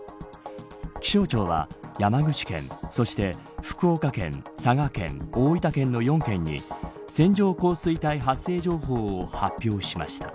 気象庁は山口県そして福岡県佐賀県、大分県の４県に線状降水帯発生情報を発表しました。